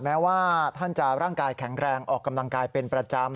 แม้ว่าท่านจะร่างกายแข็งแรงออกกำลังกายเป็นประจำ